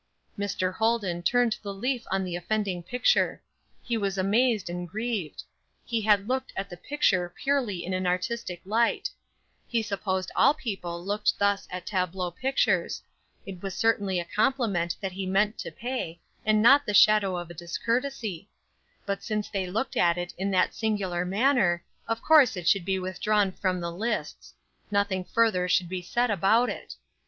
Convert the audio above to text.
Mr. Holden turned the leaf on the offending picture. He was amazed and grieved; he had looked at the picture purely in an artistic light; he supposed all people looked thus at tableau pictures; it was certainly a compliment that he meant to pay, and not the shadow of a discourtesy; but since they looked at it in that singular manner, of course it should be withdrawn from the lists; nothing further should be said about it.